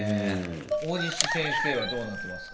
大西先生はどうなってますか？